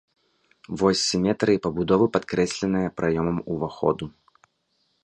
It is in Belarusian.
Вось сіметрыі пабудовы падкрэсленая праёмам уваходу.